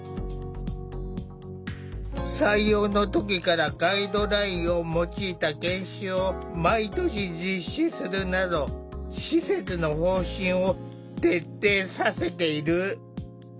採用の時からガイドラインを用いた研修を毎年実施するなど施設の方針を徹底させている。